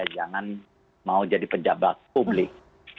jangan mau jadi pejabat publik